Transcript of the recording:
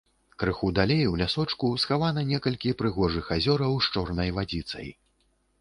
Крыху далей, у лясочку, схавана некалькі прыгожых азёраў з чорнай вадзіцай.